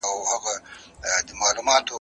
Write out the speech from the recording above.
پښتو د علم د ترلاسه کولو یوه وسیله ده.